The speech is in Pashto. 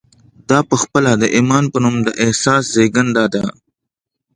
دا پخپله د ايمان په نوم د احساس زېږنده ده.